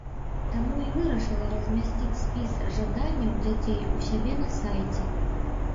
Таму і вырашыла размясціць спіс жаданняў дзяцей у сябе на сайце.